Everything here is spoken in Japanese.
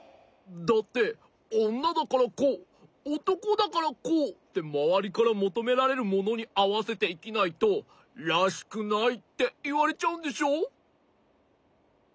だっておんなだからこうおとこだからこうってまわりからもとめられるものにあわせていきないと「らしくない！」っていわれちゃうんでしょ？